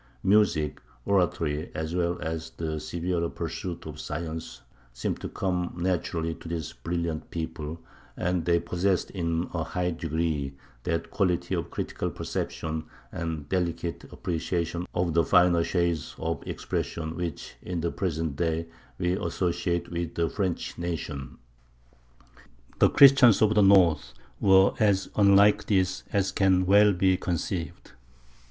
Music, oratory, as well as the severer pursuits of science, seemed to come naturally to this brilliant people; and they possessed in a high degree that quality of critical perception and delicate appreciation of the finer shades of expression which in the present day we associate with the French nation. The Christians of the north were as unlike this as can well be conceived.